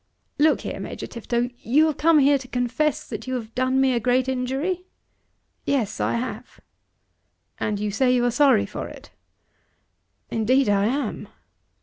Look here, Major Tifto; you have come here to confess that you have done me a great injury?" "Yes, I have." "And you say you are sorry for it." "Indeed I am."